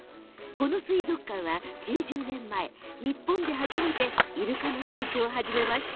この水族館は９０年前に日本で初めてイルカの飼育を始めました。